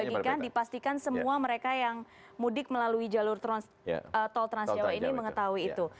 dan dibagikan dipastikan semua mereka yang mudik melalui jalur tol trans jawa ini mengetahui itu